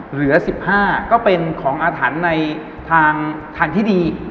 เหลือ๑๕ก็เป็นของอาถรรพ์ในทางที่ดี